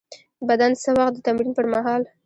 بدن څه وخت د تمرین پر مهال